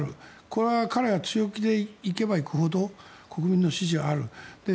これは彼が強気でいけばいくほど国民の支持が上がる。